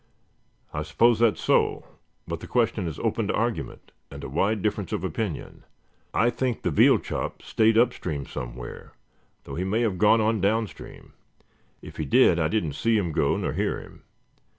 "I suppose that's so, but the question is open to argument and a wide difference of opinion. I think the Veal Chop stayed upstream somewhere, though he may have gone on downstream. If he did, I didn't see him go, nor hear him.